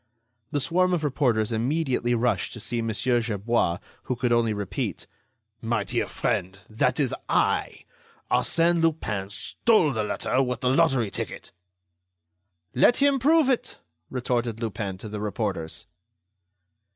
The swarm of reporters immediately rushed to see Mon. Gerbois, who could only repeat: "My Dear Friend! that is I.... Arsène Lupin stole the letter with the lottery ticket." "Let him prove it!" retorted Lupin to the reporters.